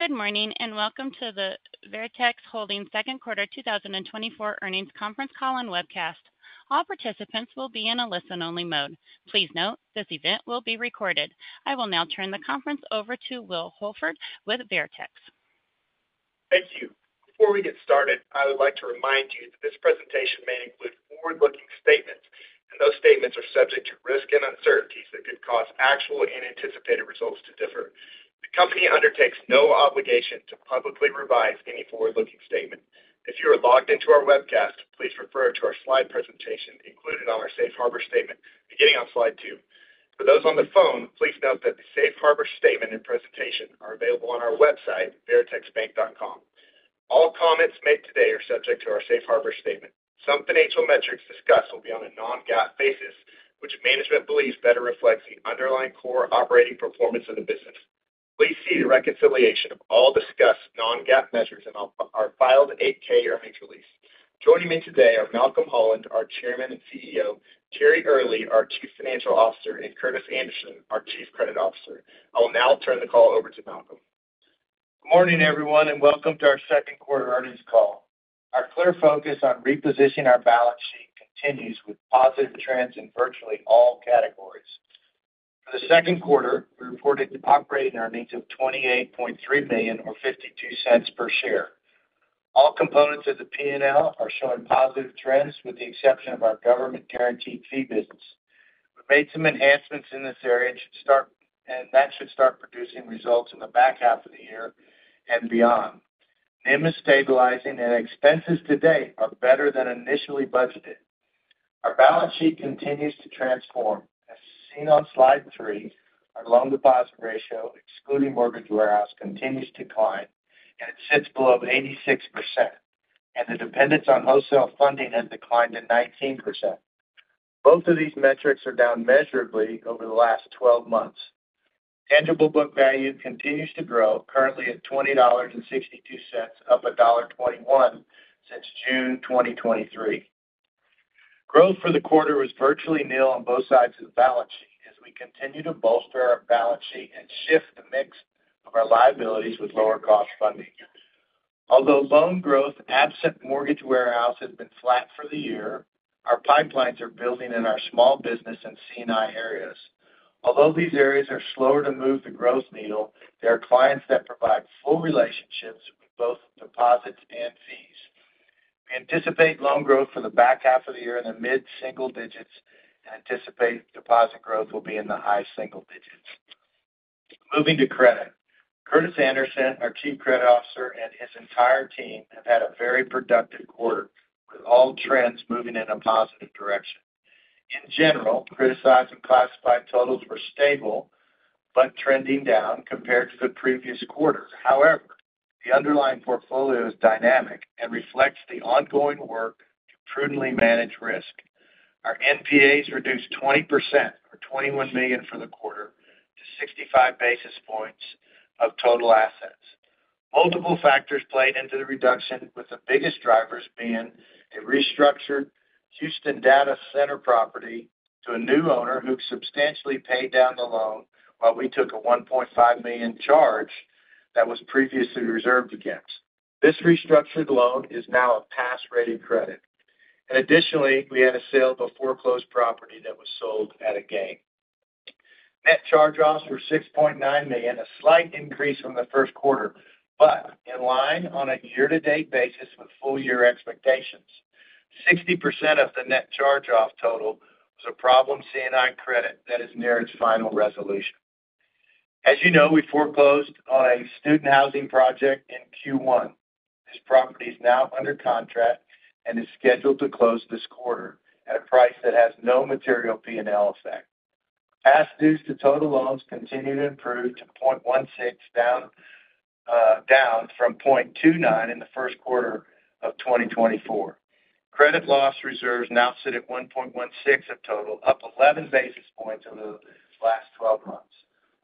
Good morning and welcome to the Veritex Holdings Second Quarter 2024 Earnings Conference Call and Webcast. All participants will be in a listen-only mode. Please note, this event will be recorded. I will now turn the conference over to Will Holford with Veritex. Thank you. Before we get started, I would like to remind you that this presentation may include forward-looking statements, and those statements are subject to risk and uncertainties that could cause actual and anticipated results to differ. The company undertakes no obligation to publicly revise any forward-looking statement. If you are logged into our webcast, please refer to our slide presentation included on our Safe Harbor statement, beginning on slide two. For those on the phone, please note that the Safe Harbor statement and presentation are available on our website, veritexbank.com. All comments made today are subject to our Safe Harbor statement. Some financial metrics discussed will be on a non-GAAP basis, which management believes better reflects the underlying core operating performance of the business. Please see the reconciliation of all discussed non-GAAP measures in our filed 8-K earnings release. Joining me today are Malcolm Holland, our Chairman and CEO, Terry Earley, our Chief Financial Officer, and Curtis Anderson, our Chief Credit Officer. I will now turn the call over to Malcolm. Good morning, everyone, and welcome to our Second Quarter Earnings Call. Our clear focus on repositioning our balance sheet continues with positive trends in virtually all categories. For the second quarter, we reported net income of $28.3 million, or 52 cents per share. All components of the P&L are showing positive trends, with the exception of our government-guaranteed fee business. We've made some enhancements in this area, and that should start producing results in the back half of the year and beyond. NIM is stabilizing, and expenses today are better than initially budgeted. Our balance sheet continues to transform. As seen on slide three, our loan-to- deposit ratio, excluding mortgage warehouse, continues to climb, and it sits below 86%. The dependence on wholesale funding has declined to 19%. Both of these metrics are down measurably over the last 12 months. Tangible book value continues to grow, currently at $20.62, up $1.21 since June 2023. Growth for the quarter was virtually nil on both sides of the balance sheet as we continue to bolster our balance sheet and shift the mix of our liabilities with lower-cost funding. Although loan growth absent mortgage warehouse has been flat for the year, our pipelines are building in our small business and C&I areas. Although these areas are slower to move the growth needle, there are clients that provide full relationships with both deposits and fees. We anticipate loan growth for the back half of the year in the mid-single digits and anticipate deposit growth will be in the high single digits. Moving to credit, Curtis Anderson, our Chief Credit Officer, and his entire team have had a very productive quarter, with all trends moving in a positive direction. In general, criticized and classified totals were stable but trending down compared to the previous quarter. However, the underlying portfolio is dynamic and reflects the ongoing work to prudently manage risk. Our NPAs reduced 20%, or $21 million, for the quarter to 65 basis points of total assets. Multiple factors played into the reduction, with the biggest drivers being a restructured Houston data center property to a new owner who substantially paid down the loan while we took a $1.5 million charge that was previously reserved against. This restructured loan is now a pass-rated credit. Additionally, we had a sale-before-close property that was sold at a gain. Net charge-offs were $6.9 million, a slight increase from the first quarter, but in line on a year-to-date basis with full-year expectations. 60% of the net charge-off total was a problem C&I credit that is near its final resolution. As you know, we foreclosed on a student housing project in Q1. This property is now under contract and is scheduled to close this quarter at a price that has no material P&L effect. Past dues to total loans continue to improve to 0.16, down from 0.29 in the first quarter of 2024. Credit loss reserves now sit at 1.16 of total, up 11 basis points over the last 12 months.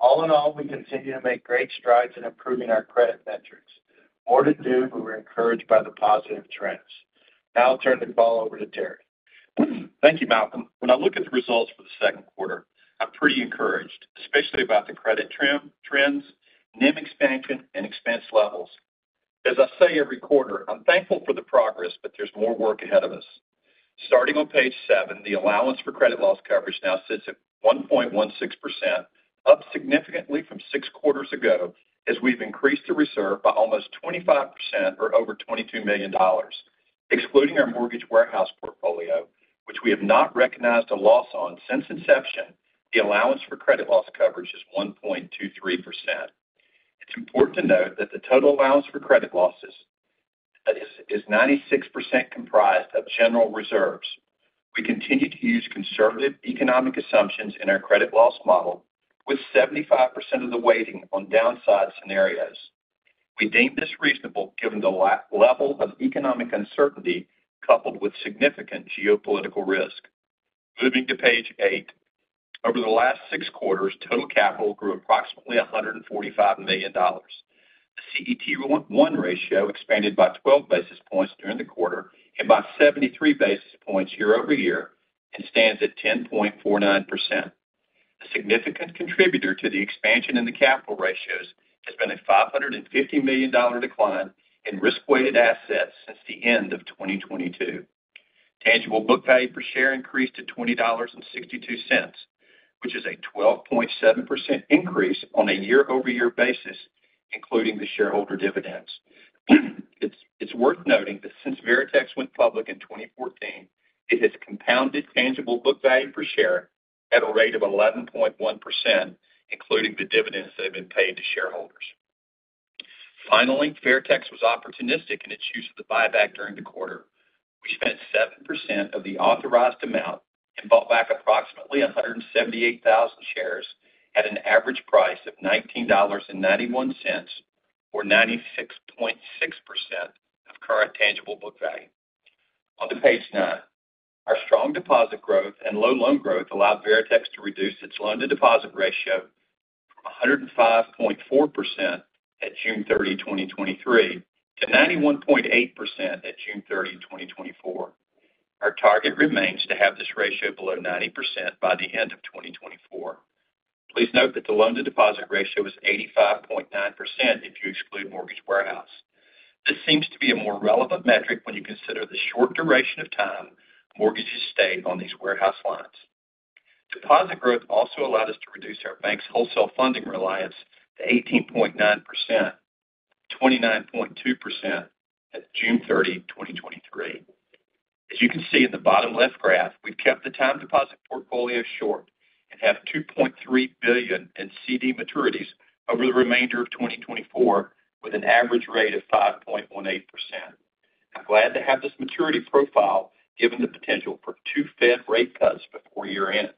All in all, we continue to make great strides in improving our credit metrics. More to do, but we're encouraged by the positive trends. Now I'll turn the call over to Terry. Thank you, Malcolm. When I look at the results for the second quarter, I'm pretty encouraged, especially about the credit trends, NIM expansion, and expense levels. As I say every quarter, I'm thankful for the progress, but there's more work ahead of us. Starting on page seven, the allowance for credit loss coverage now sits at 1.16%, up significantly from six quarters ago as we've increased the reserve by almost 25%, or over $22 million. Excluding our mortgage warehouse portfolio, which we have not recognized a loss on since inception, the allowance for credit loss coverage is 1.23%. It's important to note that the total allowance for credit losses is 96% comprised of general reserves. We continue to use conservative economic assumptions in our credit loss model, with 75% of the weighting on downside scenarios. We deem this reasonable given the level of economic uncertainty coupled with significant geopolitical risk. Moving to page eight, over the last six quarters, total capital grew approximately $145 million. The CET1 ratio expanded by 12 basis points during the quarter and by 73 basis points year-over-year and stands at 10.49%. A significant contributor to the expansion in the capital ratios has been a $550 million decline in risk-weighted assets since the end of 2022. Tangible book value per share increased to $20.62, which is a 12.7% increase on a year-over-year basis, including the shareholder dividends. It's worth noting that since Veritex went public in 2014, it has compounded tangible book value per share at a rate of 11.1%, including the dividends that have been paid to shareholders. Finally, Veritex was opportunistic in its use of the buyback during the quarter. We spent 7% of the authorized amount and bought back approximately 178,000 shares at an average price of $19.91, or 96.6% of current tangible book value. On to page nine. Our strong deposit growth and low loan growth allowed Veritex to reduce its loan-to-deposit ratio from 105.4% at June 30, 2023, to 91.8% at June 30, 2024. Our target remains to have this ratio below 90% by the end of 2024. Please note that the loan-to-deposit ratio is 85.9% if you exclude mortgage warehouse. This seems to be a more relevant metric when you consider the short duration of time mortgages stayed on these warehouse lines. Deposit growth also allowed us to reduce our bank's wholesale funding reliance to 18.9%, 29.2% at June 30, 2023. As you can see in the bottom-left graph, we've kept the time deposit portfolio short and have $2.3 billion in CD maturities over the remainder of 2024, with an average rate of 5.18%. I'm glad to have this maturity profile given the potential for two Fed rate cuts before year-end.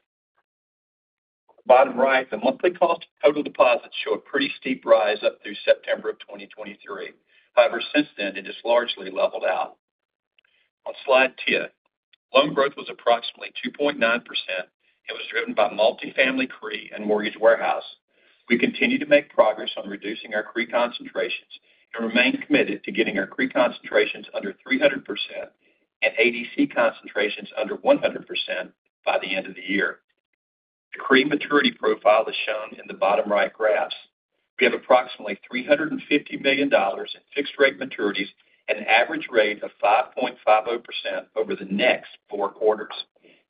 Bottom right, the monthly cost of total deposits show a pretty steep rise up through September of 2023. However, since then, it has largely leveled out. On slide 10, loan growth was approximately 2.9% and was driven by multifamily CRE and mortgage warehouse. We continue to make progress on reducing our CRE concentrations and remain committed to getting our CRE concentrations under 300% and ADC concentrations under 100% by the end of the year. The CRE maturity profile is shown in the bottom-right graphs. We have approximately $350 million in fixed-rate maturities at an average rate of 5.50% over the next four quarters.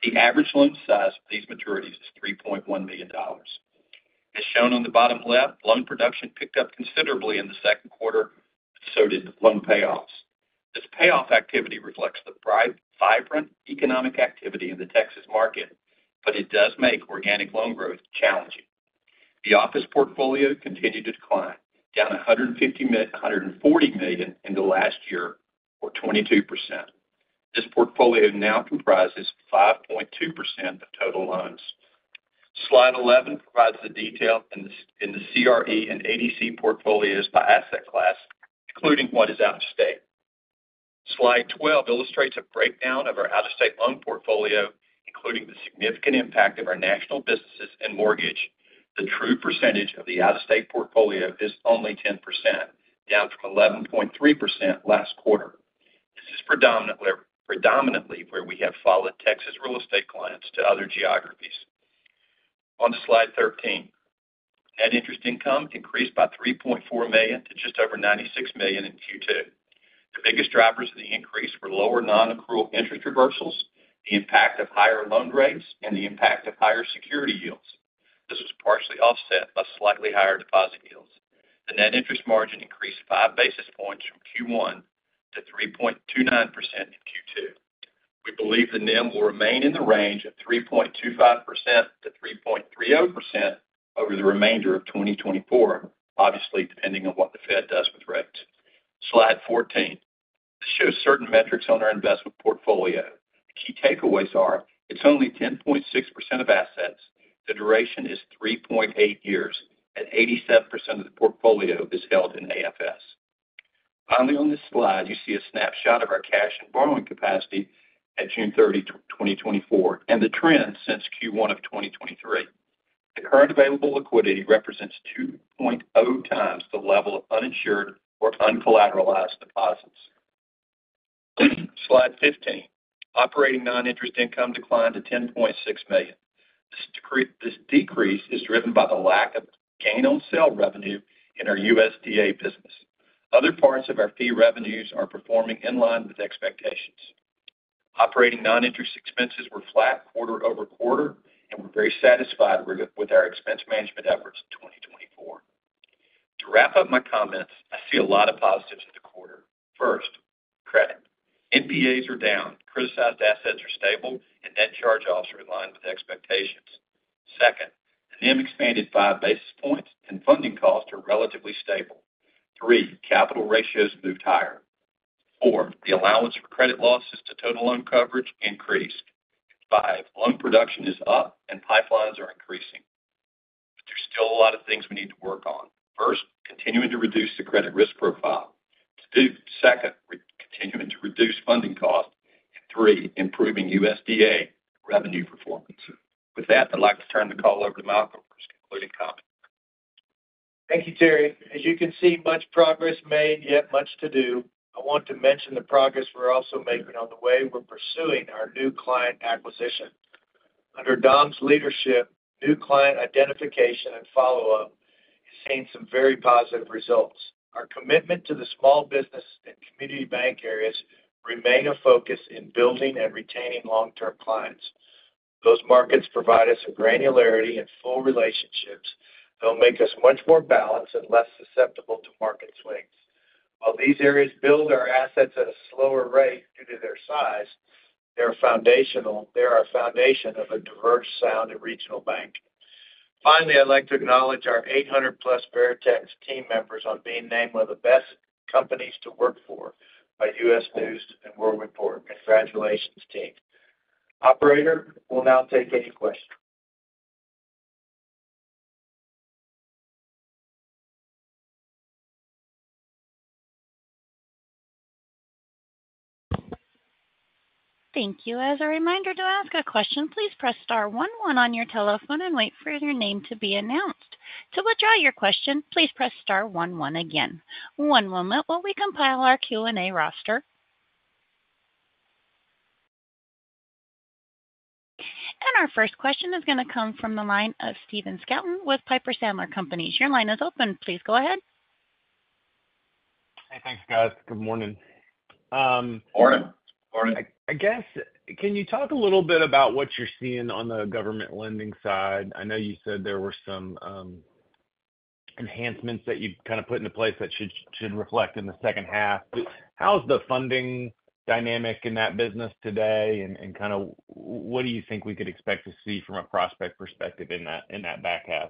The average loan size for these maturities is $3.1 million. As shown on the bottom left, loan production picked up considerably in the second quarter, so did loan payoffs. This payoff activity reflects the vibrant economic activity in the Texas market, but it does make organic loan growth challenging. The office portfolio continued to decline, down $140 million in the last year, or 22%. This portfolio now comprises 5.2% of total loans. Slide 11 provides the detail in the CRE and ADC portfolios by asset class, including what is out of state. Slide 12 illustrates a breakdown of our out-of-state loan portfolio, including the significant impact of our national businesses and mortgage. The true percentage of the out-of-state portfolio is only 10%, down from 11.3% last quarter. This is predominantly where we have followed Texas real estate clients to other geographies. On to slide 13. Net interest income increased by $3.4 million to just over $96 million in Q2. The biggest drivers of the increase were lower non-accrual interest reversals, the impact of higher loan rates, and the impact of higher security yields. This was partially offset by slightly higher deposit yields. The net interest margin increased 5 basis points from Q1 to 3.29% in Q2. We believe the NIM will remain in the range of 3.25%-3.30% over the remainder of 2024, obviously depending on what the Fed does with rates. Slide 14. This shows certain metrics on our investment portfolio. Key takeaways are it's only 10.6% of assets. The duration is 3.8 years, and 87% of the portfolio is held in AFS. Finally, on this slide, you see a snapshot of our cash and borrowing capacity at June 30, 2024, and the trend since Q1 of 2023. The current available liquidity represents 2.0 times the level of uninsured or uncollateralized deposits. Slide 15. Operating non-interest income declined to $10.6 million. This decrease is driven by the lack of gain-on-sale revenue in our USDA business. Other parts of our fee revenues are performing in line with expectations. Operating non-interest expenses were flat quarter-over-quarter, and we're very satisfied with our expense management efforts in 2024. To wrap up my comments, I see a lot of positives in the quarter. First, credit. NPAs are down, criticized assets are stable, and net charge-offs are in line with expectations. Second, the NIM expanded 5 basis points, and funding costs are relatively stable. Three, capital ratios moved higher. 4, the allowance for credit losses to total loan coverage increased. 5, loan production is up, and pipelines are increasing. But there's still a lot of things we need to work on. First, continuing to reduce the credit risk profile. Second, continuing to reduce funding costs. And 3, improving USDA revenue performance. With that, I'd like to turn the call over to Malcolm for his concluding comments. Thank you, Terry. As you can see, much progress made, yet much to do. I want to mention the progress we're also making on the way we're pursuing our new client acquisition. Under Dom's leadership, new client identification and follow-up has seen some very positive results. Our commitment to the small business and community bank areas remains a focus in building and retaining long-term clients. Those markets provide us with granularity and full relationships that will make us much more balanced and less susceptible to market swings. While these areas build our assets at a slower rate due to their size, they are a foundation of a diverse, sound, and regional bank. Finally, I'd like to acknowledge our 800+ Veritex team members on being named one of the best companies to work for by U.S. News & World Report. Congratulations, team. Operator will now take any questions. Thank you. As a reminder to ask a question, please press star 11 on your telephone and wait for your name to be announced. To withdraw your question, please press star 11 again. One moment while we compile our Q&A roster. Our first question is going to come from the line of Stephen Scouten with Piper Sandler Companies. Your line is open. Please go ahead. Hey, thanks, guys. Good morning. Morning. Morning. I guess, can you talk a little bit about what you're seeing on the government lending side? I know you said there were some enhancements that you've kind of put into place that should reflect in the second half. How's the funding dynamic in that business today? And kind of what do you think we could expect to see from a prospect perspective in that back half?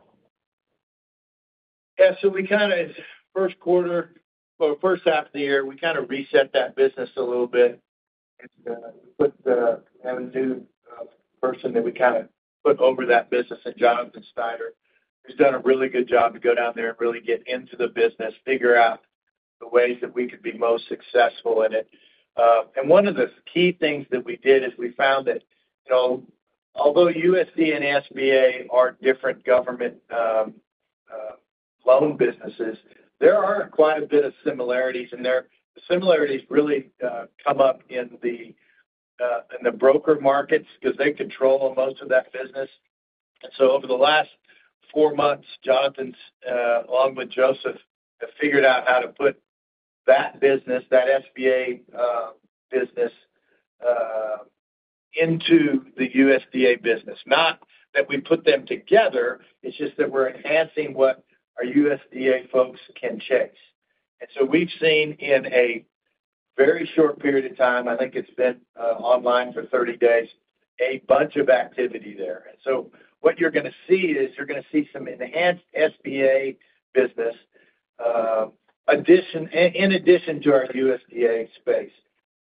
Yeah. So we kind of, first quarter, well, first half of the year, we kind of reset that business a little bit. And we put the managing person that we kind of put over that business, Jonathan Schneider, who's done a really good job to go down there and really get into the business, figure out the ways that we could be most successful in it. And one of the key things that we did is we found that although USDA and SBA are different government loan businesses, there are quite a bit of similarities. And the similarities really come up in the broker markets because they control most of that business. And so over the last four months, Jonathan, along with Joseph, have figured out how to put that business, that SBA business, into the USDA business. Not that we put them together, it's just that we're enhancing what our USDA folks can chase. And so we've seen in a very short period of time, I think it's been online for 30 days, a bunch of activity there. And so what you're going to see is you're going to see some enhanced SBA business in addition to our USDA space.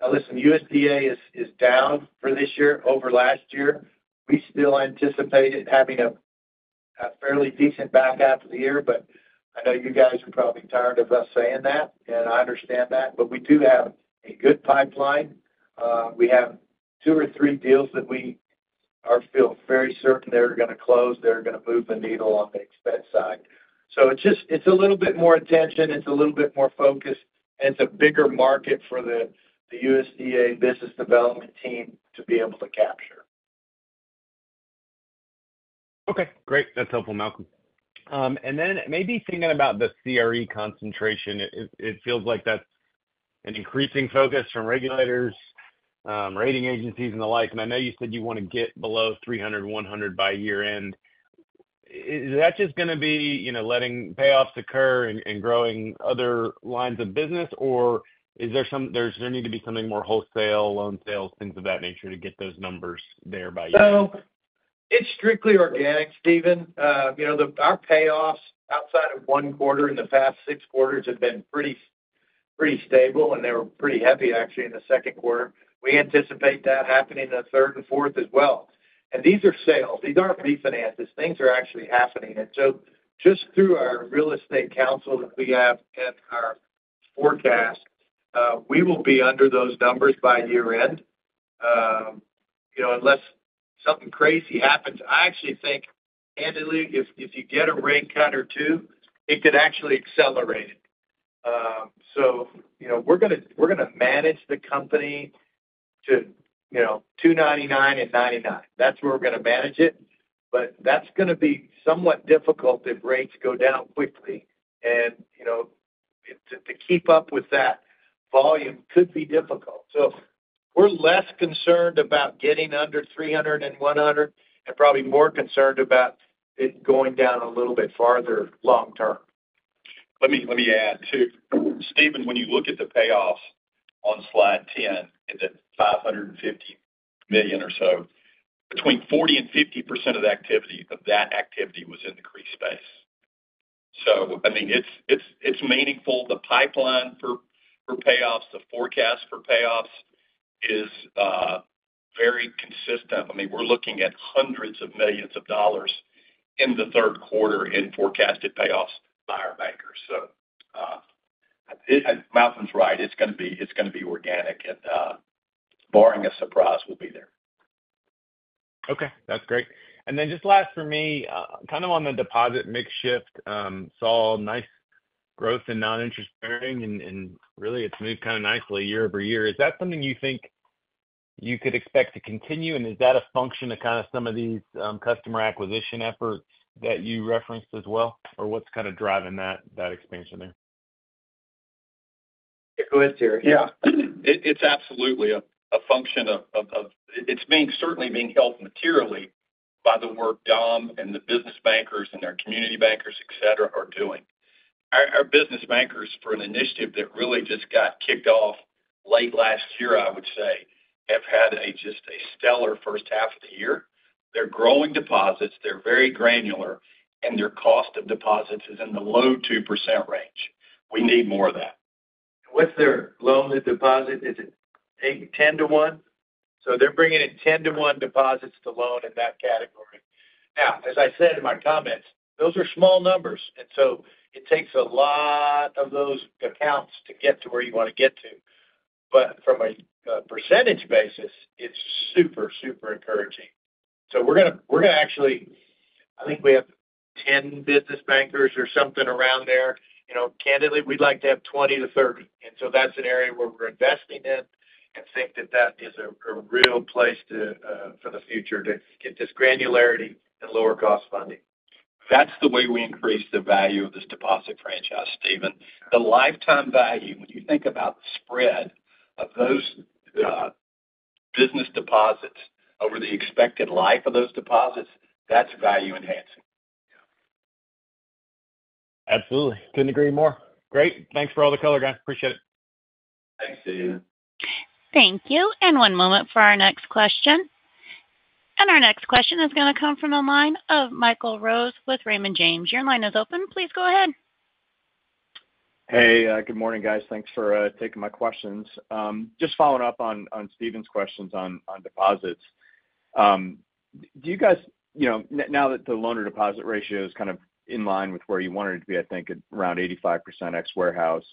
Now, listen, USDA is down for this year-over-last-year. We still anticipate it having a fairly decent back half of the year, but I know you guys are probably tired of us saying that, and I understand that. But we do have a good pipeline. We have two or three deals that we feel very certain they're going to close. They're going to move the needle on the expense side. So it's a little bit more attention. It's a little bit more focused. It's a bigger market for the USDA business development team to be able to capture. Okay. Great. That's helpful, Malcolm. Then maybe thinking about the CRE concentration, it feels like that's an increasing focus from regulators, rating agencies, and the like. I know you said you want to get below 300% by year-end. Is that just going to be letting payoffs occur and growing other lines of business, or is there need to be something more wholesale, loan sales, things of that nature to get those numbers there by year-end? So it's strictly organic, Stephen. Our payoffs outside of 1 quarter in the past 6 quarters have been pretty stable, and they were pretty heavy, actually, in the second quarter. We anticipate that happening in the third and fourth as well. And these are sales. These aren't refinances. Things are actually happening. And so just through our real estate council that we have at our forecast, we will be under those numbers by year-end unless something crazy happens. I actually think, candidly, if you get a rate cut or 2, it could actually accelerate it. So we're going to manage the company to 299 and 99. That's where we're going to manage it. But that's going to be somewhat difficult if rates go down quickly. And to keep up with that volume could be difficult. We're less concerned about getting under 300 and 100 and probably more concerned about it going down a little bit farther long-term. Let me add too. Steven, when you look at the payoffs on slide 10, in the $550 million or so, between 40%-50% of that activity was in the CRE space. So, I mean, it's meaningful. The pipeline for payoffs, the forecast for payoffs is very consistent. I mean, we're looking at $hundreds of millions in the third quarter in forecasted payoffs by our bankers. So Malcolm's right. It's going to be organic, and barring a surprise, we'll be there. Okay. That's great. And then just last for me, kind of on the deposit mix shift, saw nice growth in non-interest bearing, and really, it's moved kind of nicely year-over-year. Is that something you think you could expect to continue? And is that a function of kind of some of these customer acquisition efforts that you referenced as well, or what's kind of driving that expansion there? Yeah. Go ahead, Terry. Yeah. It's absolutely a function of it's certainly being helped materially by the work Dom and the business bankers and their community bankers, etc., are doing. Our business bankers, for an initiative that really just got kicked off late last year, I would say, have had just a stellar first half of the year. They're growing deposits. They're very granular, and their cost of deposits is in the low 2% range. We need more of that. What's their loan to deposit? Is it 8, 10 to 1? So they're bringing in 10-to-1 deposits to loan in that category. Now, as I said in my comments, those are small numbers. And so it takes a lot of those accounts to get to where you want to get to. But from a percentage basis, it's super, super encouraging. So we're going to actually. I think we have 10 business bankers or something around there. Candidly, we'd like to have 20-30. And so that's an area where we're investing in and think that that is a real place for the future to get this granularity and lower-cost funding. That's the way we increase the value of this deposit franchise, Stephen. The lifetime value, when you think about the spread of those business deposits over the expected life of those deposits, that's value enhancing. Yeah. Absolutely. Couldn't agree more. Great. Thanks for all the color, guys. Appreciate it. Thanks, Steven. Thank you. One moment for our next question. Our next question is going to come from a line of Michael Rose with Raymond James. Your line is open. Please go ahead. Hey. Good morning, guys. Thanks for taking my questions. Just following up on Stephen's questions on deposits. Do you guys, now that the loan deposit ratio is kind of in line with where you wanted it to be, I think, at around 85% ex warehouse,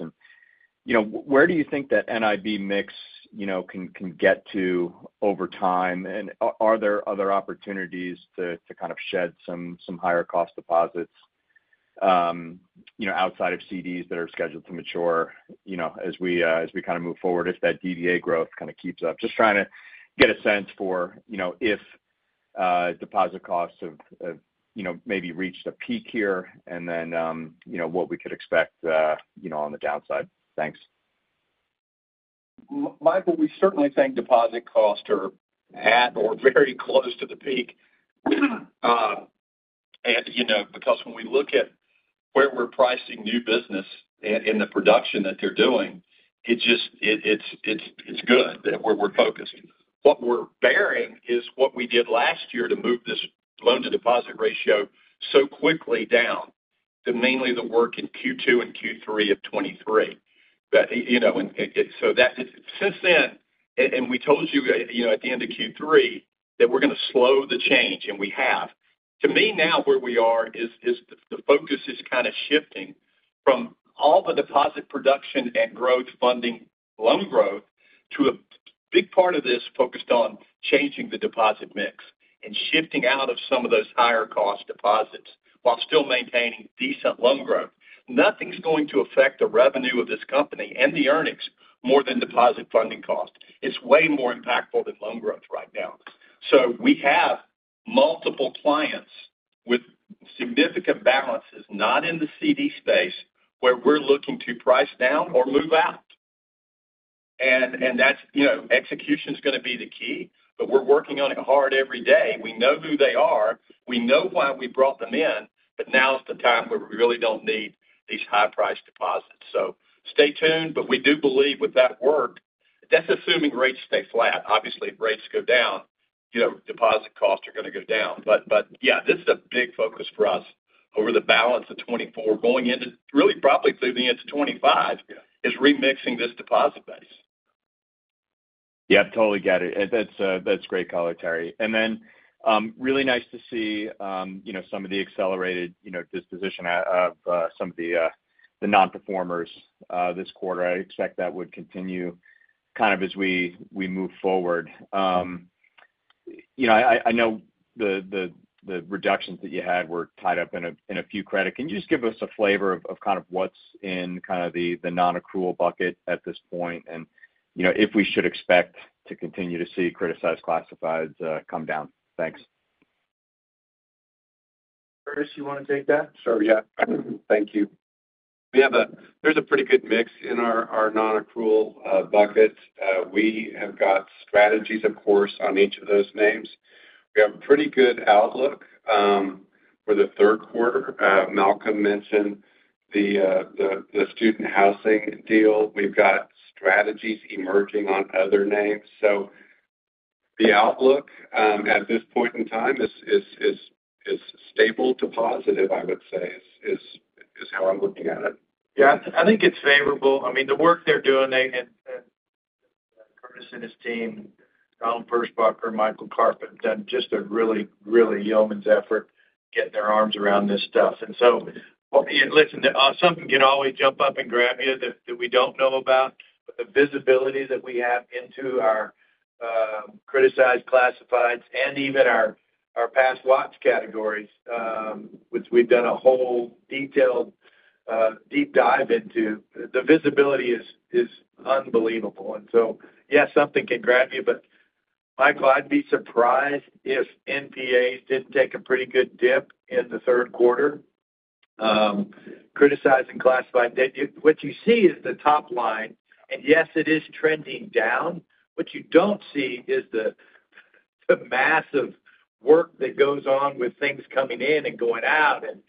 where do you think that NIM mix can get to over time? And are there other opportunities to kind of shed some higher-cost deposits outside of CDs that are scheduled to mature as we kind of move forward if that DDA growth kind of keeps up? Just trying to get a sense for if deposit costs have maybe reached a peak here and then what we could expect on the downside. Thanks. Michael, we certainly think deposit costs are at or very close to the peak. Because when we look at where we're pricing new business in the production that they're doing, it's good that we're focused. What we're bearing is what we did last year to move this loan-to-deposit ratio so quickly down to mainly the work in Q2 and Q3 of 2023. So since then, and we told you at the end of Q3 that we're going to slow the change, and we have. To me now, where we are is the focus is kind of shifting from all the deposit production and growth funding loan growth to a big part of this focused on changing the deposit mix and shifting out of some of those higher-cost deposits while still maintaining decent loan growth. Nothing's going to affect the revenue of this company and the earnings more than deposit funding cost. It's way more impactful than loan growth right now. We have multiple clients with significant balances not in the CD space where we're looking to price down or move out. Execution is going to be the key, but we're working on it hard every day. We know who they are. We know why we brought them in, but now is the time where we really don't need these high-priced deposits. Stay tuned. We do believe with that work, that's assuming rates stay flat. Obviously, if rates go down, deposit costs are going to go down. But yeah, this is a big focus for us over the balance of 2024, going into really probably through the end of 2025, is remixing this deposit base. Yeah. Totally get it. That's great color, Terry. And then really nice to see some of the accelerated disposition of some of the non-performers this quarter. I expect that would continue kind of as we move forward. I know the reductions that you had were tied up in a few credits. Can you just give us a flavor of kind of what's in kind of the non-accrual bucket at this point and if we should expect to continue to see criticized classifieds come down? Thanks. Curtis, you want to take that? Sure. Yeah. Thank you. There's a pretty good mix in our non-accrual bucket. We have got strategies, of course, on each of those names. We have a pretty good outlook for the third quarter. Malcolm mentioned the student housing deal. We've got strategies emerging on other names. So the outlook at this point in time is stable to positive, I would say, is how I'm looking at it. Yeah. I think it's favorable. I mean, the work they're doing, and Curtis and his team, Donald Perschbacher, Michael Karp, have done just a really, really yeoman's effort getting their arms around this stuff. And so, listen, something can always jump up and grab you that we don't know about. But the visibility that we have into our criticized classifieds and even our past watch categories, which we've done a whole detailed deep dive into, the visibility is unbelievable. And so, yeah, something can grab you. But, Michael, I'd be surprised if NPAs didn't take a pretty good dip in the third quarter criticizing classifieds. What you see is the top line. And yes, it is trending down. What you don't see is the massive work that goes on with things coming in and going out and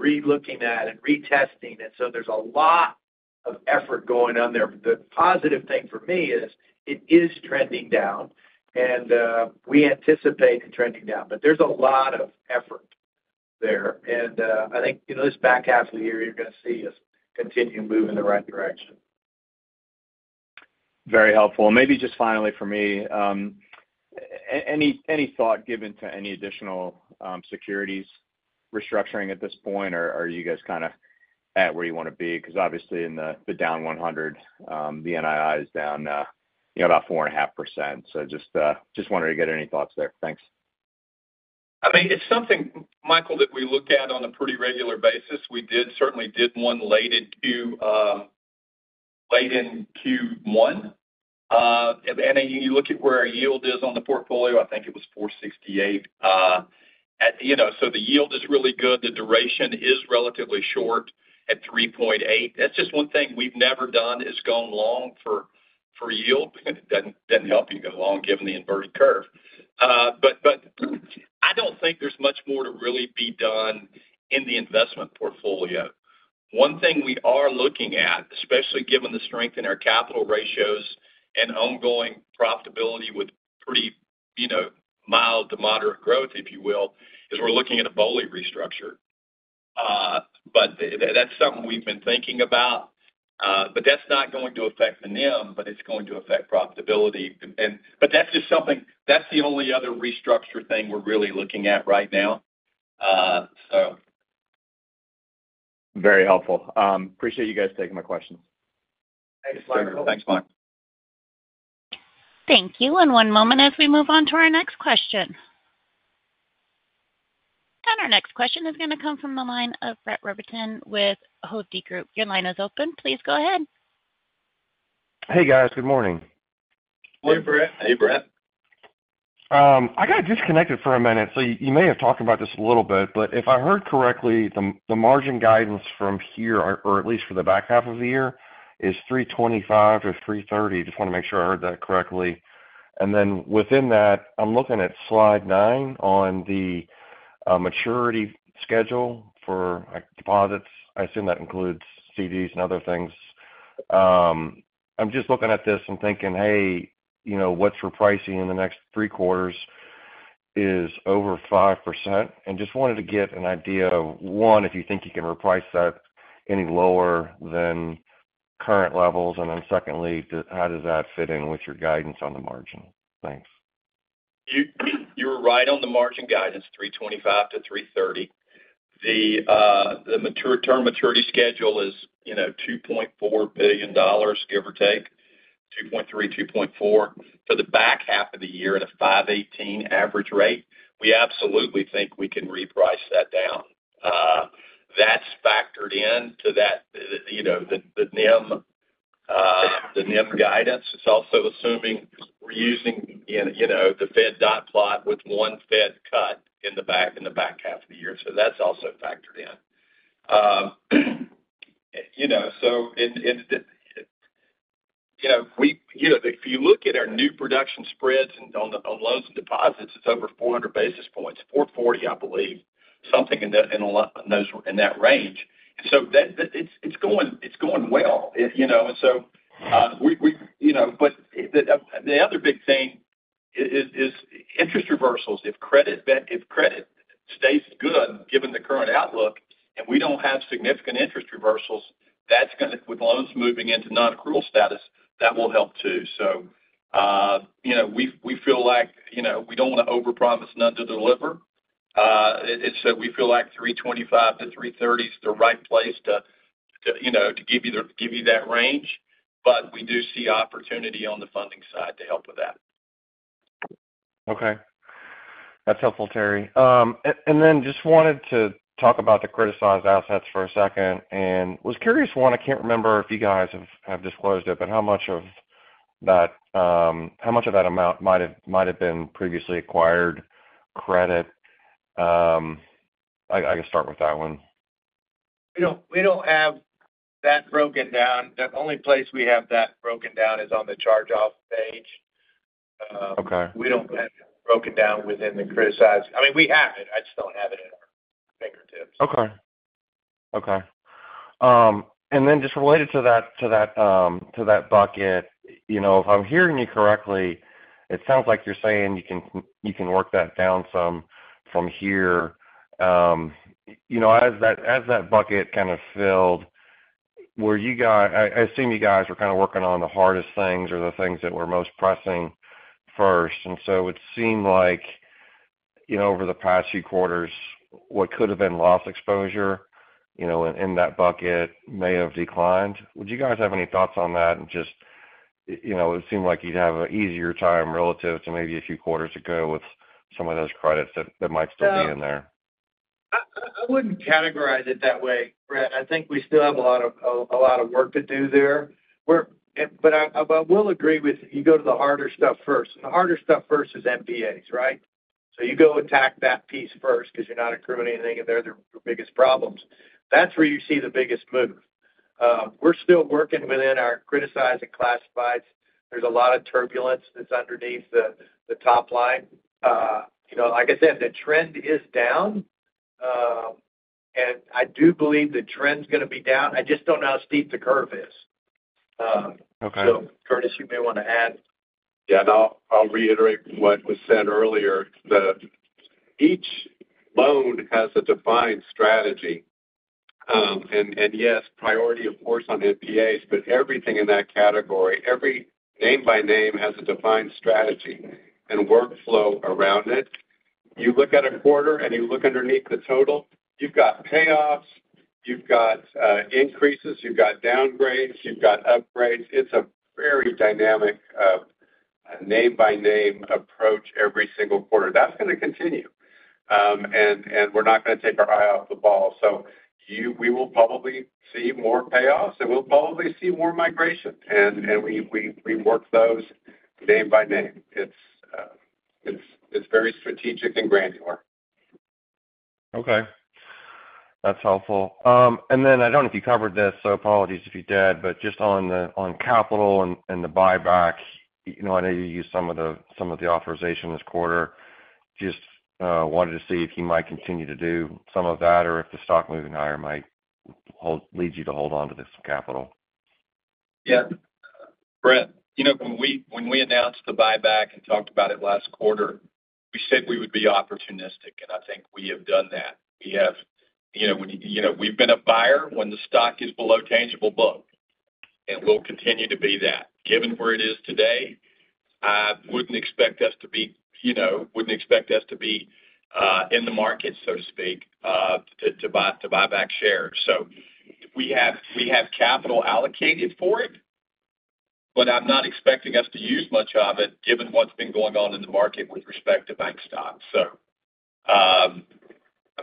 relooking at and retesting. And so there's a lot of effort going on there. The positive thing for me is it is trending down, and we anticipate it trending down. But there's a lot of effort there. And I think this back half of the year, you're going to see us continue moving in the right direction. Very helpful. And maybe just finally for me, any thought given to any additional securities restructuring at this point, or are you guys kind of at where you want to be? Because obviously, in the down 100, the NII is down about 4.5%. So just wanted to get any thoughts there. Thanks. I mean, it's something, Michael, that we look at on a pretty regular basis. We certainly did one late in Q1. And you look at where our yield is on the portfolio. I think it was 4.68. So the yield is really good. The duration is relatively short at 3.8. That's just one thing we've never done is gone long for yield. Doesn't help you go long given the inverted curve. But I don't think there's much more to really be done in the investment portfolio. One thing we are looking at, especially given the strength in our capital ratios and ongoing profitability with pretty mild to moderate growth, if you will, is we're looking at a BOLI restructure. But that's something we've been thinking about. But that's not going to affect the NIM, but it's going to affect profitability. But that's just something that's the only other restructure thing we're really looking at right now, so. Very helpful. Appreciate you guys taking my questions. Thanks, Michael. Thanks, Michael. Thank you. One moment as we move on to our next question. Our next question is going to come from the line of Brett Rabatin with Hovde Group. Your line is open. Please go ahead. Hey, guys. Good morning. Morning, Brett. Hey, Brett. I got disconnected for a minute. So you may have talked about this a little bit, but if I heard correctly, the margin guidance from here, or at least for the back half of the year, is 325-330. Just want to make sure I heard that correctly. And then within that, I'm looking at slide 9 on the maturity schedule for deposits. I assume that includes CDs and other things. I'm just looking at this and thinking, "Hey, what's repricing in the next three quarters is over 5%?" And just wanted to get an idea of, one, if you think you can reprice that any lower than current levels. And then secondly, how does that fit in with your guidance on the margin? Thanks. You were right on the margin guidance, 325-330. The term maturity schedule is $2.4 billion, give or take, $2.3 billion-$2.4 billion. For the back half of the year at a 5.18% average rate, we absolutely think we can reprice that down. That's factored into the NIM guidance. It's also assuming we're using the Fed dot plot with one Fed cut in the back half of the year. So that's also factored in. So if you look at our new production spreads on loans and deposits, it's over 400 basis points, 440, I believe, something in that range. And so it's going well. And so we—but the other big thing is interest reversals. If credit stays good given the current outlook and we don't have significant interest reversals, that's going to—with loans moving into non-accrual status, that will help too. We feel like we don't want to overpromise none to deliver. We feel like 325-330 is the right place to give you that range. But we do see opportunity on the funding side to help with that. Okay. That's helpful, Terry. Then just wanted to talk about the criticized assets for a second. Was curious, one, I can't remember if you guys have disclosed it, but how much of that, how much of that amount might have been previously acquired credit? I can start with that one. We don't have that broken down. The only place we have that broken down is on the charge-off page. We don't have it broken down within the criticized. I mean, we have it. I just don't have it at our fingertips. Okay. Okay. And then, just related to that bucket, if I'm hearing you correctly, it sounds like you're saying you can work that down some from here. As that bucket kind of filled, I assume you guys were kind of working on the hardest things or the things that were most pressing first. And so it seemed like over the past few quarters, what could have been loss exposure in that bucket may have declined. Would you guys have any thoughts on that? And just, it seemed like you'd have an easier time relative to maybe a few quarters ago with some of those credits that might still be in there. I wouldn't categorize it that way, Brett. I think we still have a lot of work to do there. But I will agree with you: go to the harder stuff first. The harder stuff first is NPAs, right? So you go attack that piece first because you're not accruing anything, and they're the biggest problems. That's where you see the biggest move. We're still working within our criticized and classified. There's a lot of turbulence that's underneath the top line. Like I said, the trend is down. And I do believe the trend's going to be down. I just don't know how steep the curve is. So Curtis, you may want to add. Yeah. And I'll reiterate what was said earlier. Each loan has a defined strategy. And yes, priority, of course, on NPAs, but everything in that category, every name by name has a defined strategy and workflow around it. You look at a quarter and you look underneath the total, you've got payoffs, you've got increases, you've got downgrades, you've got upgrades. It's a very dynamic name by name approach every single quarter. That's going to continue. And we're not going to take our eye off the ball. So we will probably see more payoffs, and we'll probably see more migration. And we work those name by name. It's very strategic and granular. Okay. That's helpful. And then I don't know if you covered this, so apologies if you did, but just on capital and the buyback, I know you used some of the authorization this quarter. Just wanted to see if you might continue to do some of that or if the stock moving higher might lead you to hold on to this capital. Yeah. Brett, when we announced the buyback and talked about it last quarter, we said we would be opportunistic. And I think we have done that. We've been a buyer when the stock is below tangible book. And we'll continue to be that. Given where it is today, I wouldn't expect us to be in the market, so to speak, to buy back shares. So we have capital allocated for it, but I'm not expecting us to use much of it given what's been going on in the market with respect to bank stock. So I'm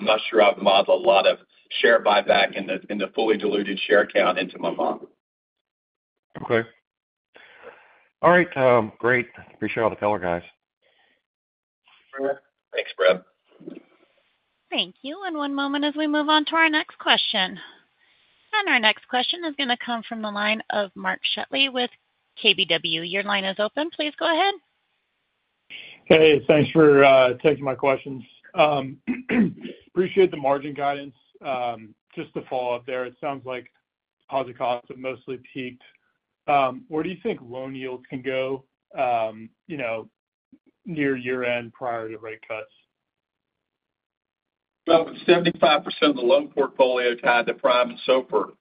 not sure I've modeled a lot of share buyback in the fully diluted share count into my model. Okay. All right. Great. Appreciate all the color, guys. Thanks, Brett. Thanks, Brett. Thank you. One moment as we move on to our next question. Our next question is going to come from the line of Mark Shutley with KBW. Your line is open. Please go ahead. Hey, thanks for taking my questions. Appreciate the margin guidance. Just to follow up there, it sounds like positive costs have mostly peaked. Where do you think loan yields can go near year-end prior to rate cuts? Well, 75% of the loan portfolio tied to Prime and SOFR.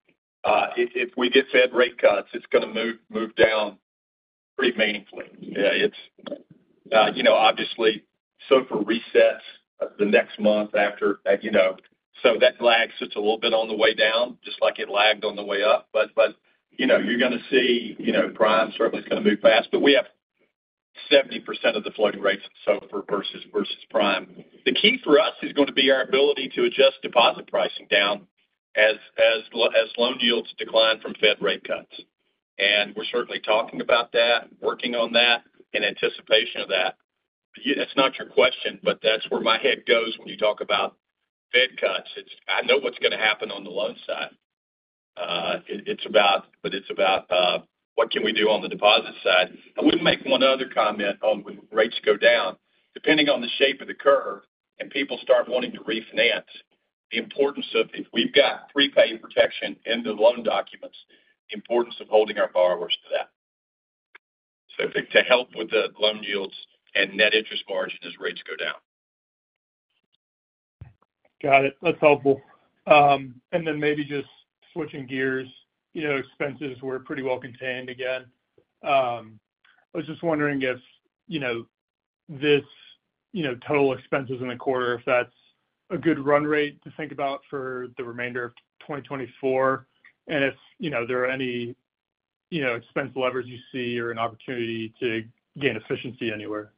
If we get Fed rate cuts, it's going to move down pretty meaningfully. Obviously, SOFR resets the next month after. So that lag sits a little bit on the way down, just like it lagged on the way up. But you're going to see Prime certainly is going to move fast. But we have 70% of the floating rates in SOFR versus Prime. The key for us is going to be our ability to adjust deposit pricing down as loan yields decline from Fed rate cuts. And we're certainly talking about that, working on that, in anticipation of that. That's not your question, but that's where my head goes when you talk about Fed cuts. I know what's going to happen on the loan side. But it's about what can we do on the deposit side. I would make one other comment. When rates go down, depending on the shape of the curve and people start wanting to refinance, the importance of if we've got prepaid protection in the loan documents, the importance of holding our borrowers to that. So to help with the loan yields and net interest margin as rates go down. Got it. That's helpful. And then maybe just switching gears, expenses were pretty well contained again. I was just wondering if this total expenses in the quarter, if that's a good run rate to think about for the remainder of 2024, and if there are any expense levers you see or an opportunity to gain efficiency anywhere?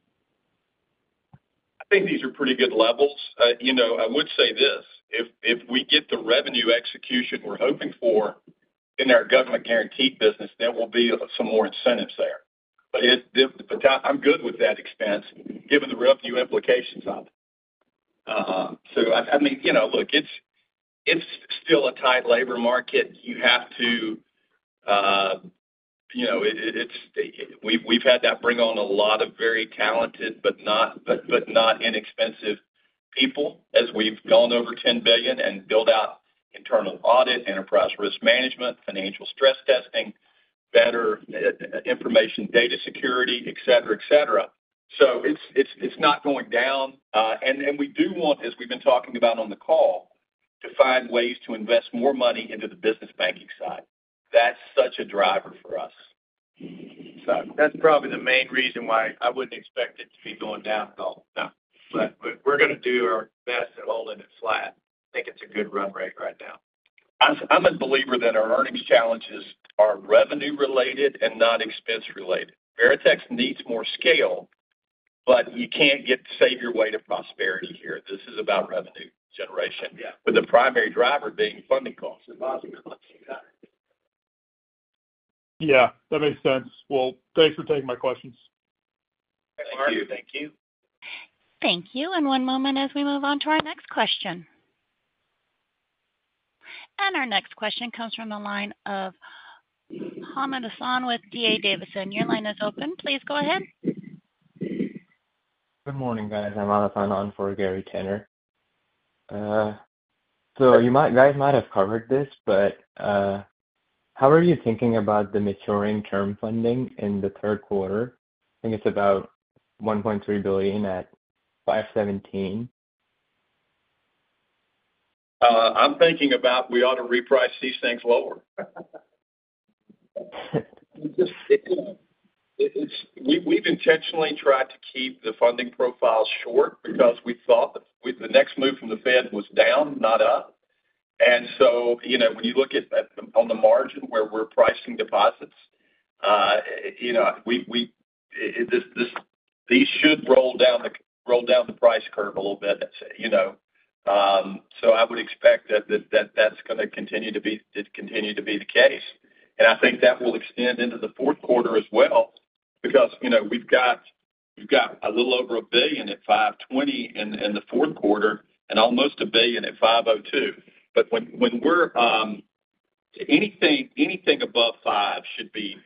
I think these are pretty good levels. I would say this. If we get the revenue execution we're hoping for in our government guaranteed business, there will be some more incentives there. But I'm good with that expense given the revenue implications of it. So I mean, look, it's still a tight labor market. You have to—we've had that bring on a lot of very talented but not inexpensive people as we've gone over $10 billion and built out internal audit, enterprise risk management, financial stress testing, better information, data security, etc., etc. So it's not going down. And we do want, as we've been talking about on the call, to find ways to invest more money into the business banking side. That's such a driver for us. So that's probably the main reason why I wouldn't expect it to be going down at all. But we're going to do our best to hold it flat. I think it's a good run rate right now. I'm a believer that our earnings challenges are revenue-related and not expense-related. Veritex needs more scale, but you can't get to save your way to prosperity here. This is about revenue generation, with the primary driver being funding costs. Yeah. That makes sense. Well, thanks for taking my questions. Thank you. Thank you. And one moment as we move on to our next question. And our next question comes from the line of Ahmad Hasan with D.A. Davidson. Your line is open. Please go ahead. Good morning, guys. I'm Ahmad Hasan for Gary Tenner. So you guys might have covered this, but how are you thinking about the maturing term funding in the third quarter? I think it's about $1.3 billion at 517. I'm thinking about we ought to reprice these things lower. We've intentionally tried to keep the funding profile short because we thought the next move from the Fed was down, not up. And so when you look at on the margin where we're pricing deposits, these should roll down the price curve a little bit. So I would expect that that's going to continue to be the case. And I think that will extend into the fourth quarter as well because we've got a little over $1 billion at 5.20% in the fourth quarter and almost $1 billion at 5.02%. But anything above 5% should be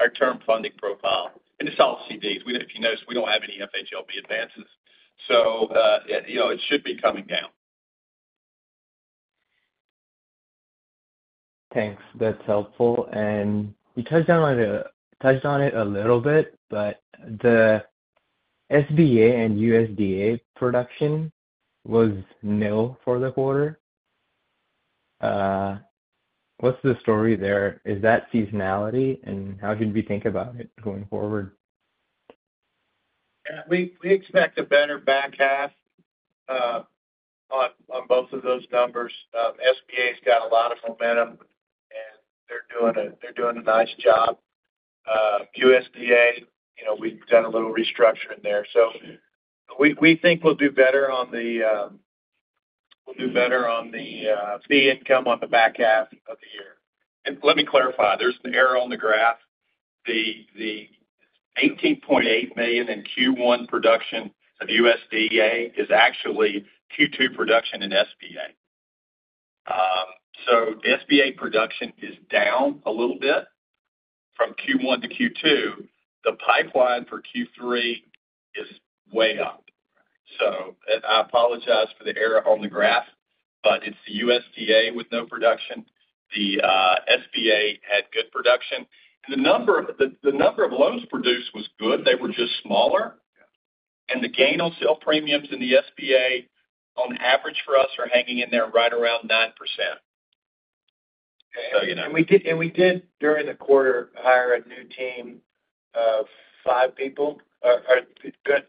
our term funding profile. And it's all CDs. If you noticed, we don't have any FHLB advances. So it should be coming down. Thanks. That's helpful. And you touched on it a little bit, but the SBA and USDA production was nil for the quarter. What's the story there? Is that seasonality? And how should we think about it going forward? Yeah. We expect a better back half on both of those numbers. SBA's got a lot of momentum, and they're doing a nice job. USDA, we've done a little restructuring there. So we think we'll do better on the we'll do better on the fee income on the back half of the year. And let me clarify. There's an error on the graph. The $18.8 million in Q1 production of USDA is actually Q2 production in SBA. So SBA production is down a little bit from Q1 to Q2. The pipeline for Q3 is way up. So I apologize for the error on the graph, but it's the USDA with no production. The SBA had good production. And the number of loans produced was good. They were just smaller. And the gain on sale premiums in the SBA, on average for us, are hanging in there right around 9%. We did, during the quarter, hire a new team of five people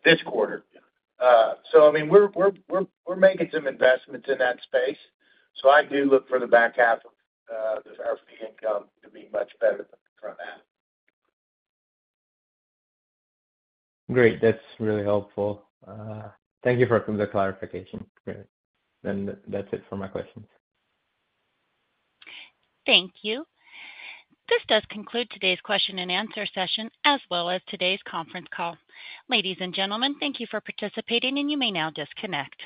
this quarter. I mean, we're making some investments in that space. I do look for the back half of our fee income to be much better than the front half. Great. That's really helpful. Thank you for the clarification. That's it for my questions. Thank you. This does conclude today's question and answer session as well as today's conference call. Ladies and gentlemen, thank you for participating, and you may now disconnect.